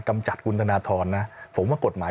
กำจัดกลุ่นทนาธรนะผมว่ากฎหมาย